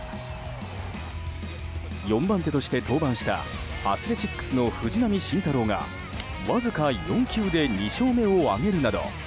４番手として登板したアスレチックスの藤浪晋太郎がわずか４球で２勝目を挙げるなど